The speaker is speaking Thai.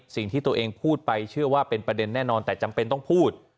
สิ่งที่ตัวเองพูดไปเชื่อว่าเป็นประเด็นแน่นอนแต่จำเป็นต้องพูด